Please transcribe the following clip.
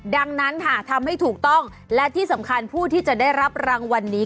ดังนั้นค่ะทำให้ถูกต้องและที่สำคัญผู้ที่จะได้รับรางวัลนี้